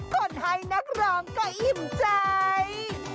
คนไฮนักรองก็อิ่มใจ